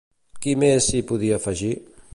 Qui més s'hi podia afegir?